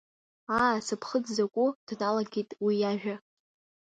Аа, сыԥхыӡ закәу, дналагеит уи иажәа…